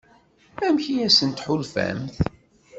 Amek i asent-tḥulfamt?